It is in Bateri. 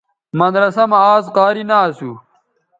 مدرسہ مہ آزقاری نہ اسُو